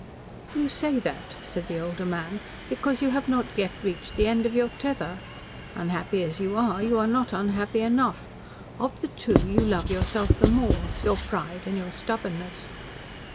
"You say that," said the older man, "because you have not yet reached the end of your tether. Unhappy as you are, you are not unhappy enough. Of the two, you love yourself the more your pride and your stubbornness."